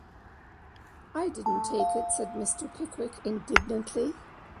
‘I didn’t take it,’ said Mr. Pickwick indignantly.